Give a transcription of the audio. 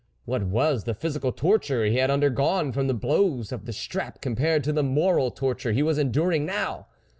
What was the phy sical torture he had undergone from the blows of the strap compared to the moral torture he was enduring now